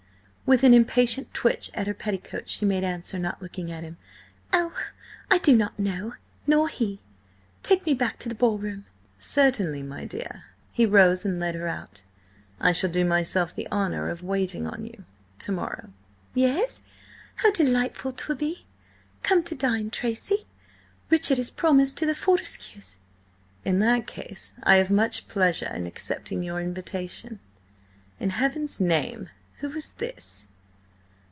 With an impatient twitch at her petticoat she made answer, not looking at him. "Oh, I do not know! Nor he! Take me back to the ball room." "Certainly, my dear." He rose and led her out. "I shall do myself the honour of waiting on you–to morrow." "Yes? How delightful 'twill be! Come to dine, Tracy! Richard is promised to the Fortescues." "In that case, I have much pleasure in accepting your invitation. ... In heaven's name, who is this?"